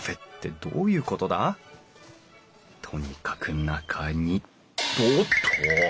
とにかく中におっと！